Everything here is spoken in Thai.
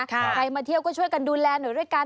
ใครมาเที่ยวก็ช่วยกันดูแลหน่อยด้วยกัน